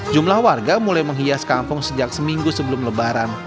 jumlah warga mulai menghias kampung sejak seminggu sebelum lebaran